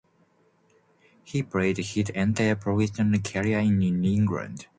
He played his entire professional career in New England.